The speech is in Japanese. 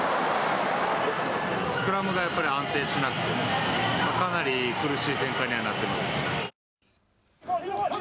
スクラムがやっぱり安定しなくてかなり苦しい展開にはなってます。